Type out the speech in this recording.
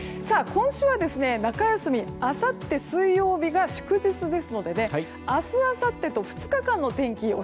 今週は中休み、あさって水曜日が祝日ですので、明日あさってと２日間の天気